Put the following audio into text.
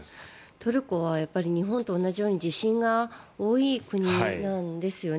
トルコは日本と同じように地震が多い国なんですよね。